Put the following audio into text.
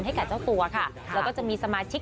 ให้กับเจ้าตัวค่ะแล้วก็จะมีสมาชิก